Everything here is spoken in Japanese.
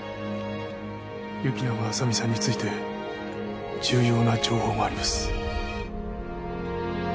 行永亜佐美さんについて重要な情報があります。